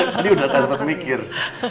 tadi udah tak dapat mikir